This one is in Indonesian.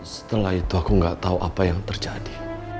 setelah itu aku gak tau apa yang terjadi